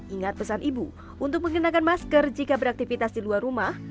ingat pesan ibu untuk mengenakan masker jika beraktivitas di luar rumah